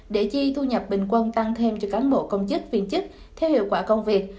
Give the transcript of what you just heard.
để chi thu nhập bình quân tăng thêm cho cán bộ công chức viên chức theo hiệu quả công việc